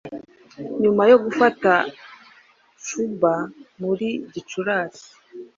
nyuma yo gufata cuba muri gicurasi